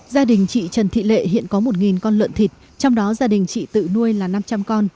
gia đình chị trần thị lệ hiện có một con lợn thịt trong đó gia đình chị tự nuôi là năm trăm linh con